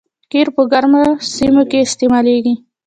قیر په ګرمو سیمو کې استعمالیږي